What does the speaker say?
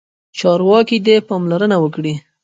چارواکي دې پاملرنه وکړي.